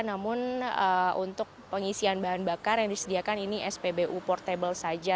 namun untuk pengisian bahan bakar yang disediakan ini spbu portable saja